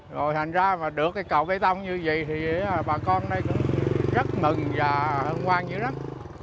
rồi thành ra mà được cây cầu cây tông như vậy thì bà con ở đây cũng rất mừng và hân quang dữ lắm